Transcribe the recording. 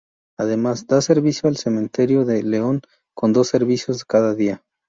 Además, da servicio al Cementerio de León, con dos servicios cada día.